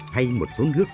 hay một số nước